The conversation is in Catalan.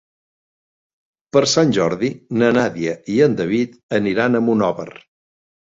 Per Sant Jordi na Nàdia i en David aniran a Monòver.